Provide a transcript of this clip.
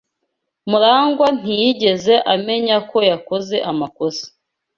Murangwa ntiyigeze amenya ko yakoze amakosa.